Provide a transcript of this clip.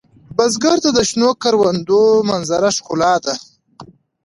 بزګر ته د شنو کروندو منظره ښکلا ده